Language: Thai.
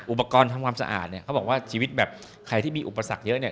อุปกรณ์ทำความสะอาดเนี่ยเขาบอกว่าชีวิตแบบใครที่มีอุปสรรคเยอะเนี่ย